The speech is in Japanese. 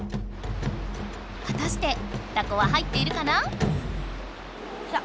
はたしてタコは入っているかな？来た！